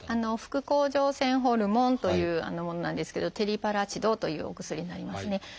「副甲状腺ホルモン」というものなんですけど「テリパラチド」というお薬になりますね。